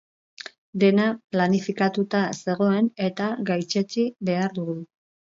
Dena planifikatuta zegoen eta gaitzetsi behar dugu.